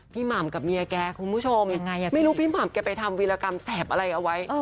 หม่ำกับเมียแกคุณผู้ชมไม่รู้พี่หม่ำแกไปทำวีรกรรมแสบอะไรเอาไว้